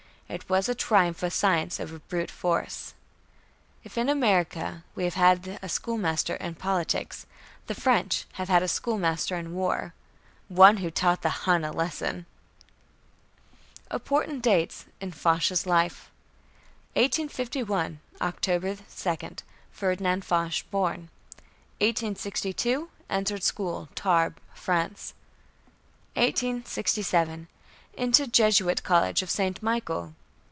It was a triumph of science over brute force. If in America we have had a "schoolmaster in politics," the French have had a "schoolmaster in war" one who taught the Hun a lesson! IMPORTANT DATES IN FOCH'S LIFE 1851. October 2. Ferdinand Foch born. 1862. Entered school, Tarbes, France. 1867. Entered Jesuit College of St. Michel.